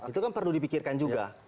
itu kan perlu dipikirkan juga